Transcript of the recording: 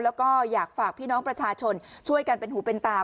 แล้วก็อยากฝากพี่น้องประชาชนช่วยกันเป็นหูเป็นตา